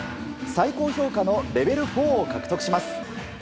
最高評価のレベル４を獲得します。